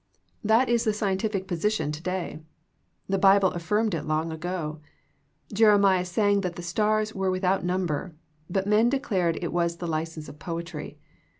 That is the scientific posi 34 THE PEACTICE OF PEAYER tion to day. The Bible affirmed it long ago. Jeremiah sang that the stars were without num ber, but men declared it was the license of poetry.